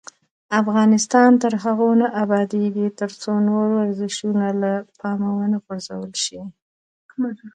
افغانستان تر هغو نه ابادیږي، ترڅو نور ورزشونه له پامه ونه غورځول شي.